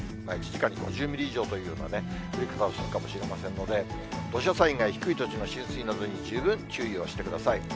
１時間に５０ミリ以上というね、降り方をするかもしれませんので、土砂災害、低い土地の浸水などに十分注意をしてください。